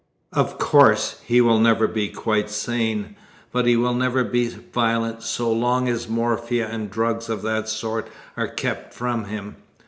Of course, he will never be quite sane, but he will never be violent so long as morphia and drugs of that sort are kept from him.